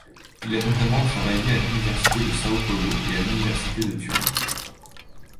Il a notamment travaillé à l'université de São Paulo et à l'université de Turin.